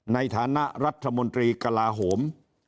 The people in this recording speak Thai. ในฐานะรัฐมนตรีกลาโหม